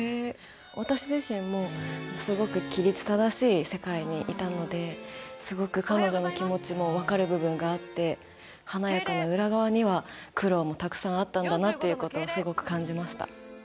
私自身もすごく規律正しい世界にいたのですごく彼女の気持ちも分かる部分があって華やかな裏側には苦労もたくさんあったんだなっていうことをすごく感じました